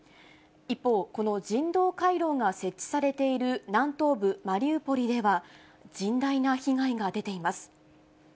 一方、この人道回廊が設置されている南東部マリウポリでは、甚大な被害が出ています。